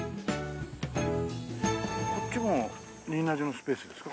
こっちも仁和寺のスペースですか？